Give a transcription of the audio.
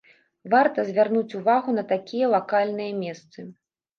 Варта звярнуць увагу на такія лакальныя месцы.